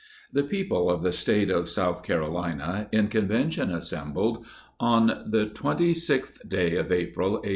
The People of the State of South Carolina, in Conven tion assembled, on the 26th day of April, A.